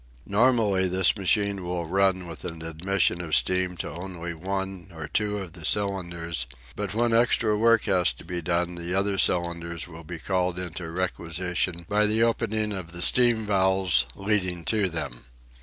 Normally, this machine will run with an admission of steam to only one or two of the cylinders; but when extra work has to be done the other cylinders will be called into requisition by the opening of the steam valves leading to them.